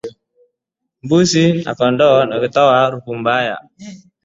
Mbuzi na kondoo hutoa harufu mbaya